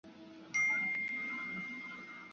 他把库拉努党定位为一个中间派政党。